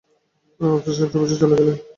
আফসার সাহেব অফিসে চলে গেলেন।